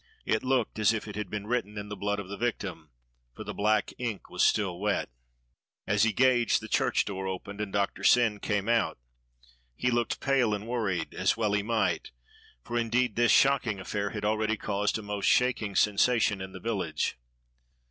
It looked as if it had been written in the blood of the victim; for the black ink was still wet. As he gazed the church door opened and Doctor Syn came out. He looked pale and worried, as well he might, for indeed this shocking affair had already caused a most shaking sensation in the village.